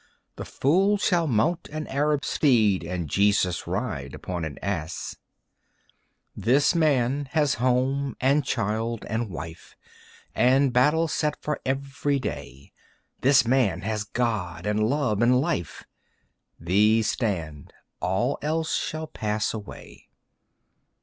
The fool shall mount an Arab steed And Jesus ride upon an ass. This man has home and child and wife And battle set for every day. This man has God and love and life; These stand, all else shall pass away.